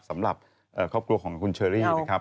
สำหรับครอบครัวของคุณเชอรี่นะครับ